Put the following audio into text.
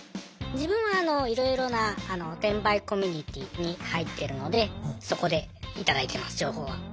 自分はいろいろな転売コミュニティーに入ってるのでそこで頂いてます情報は。え？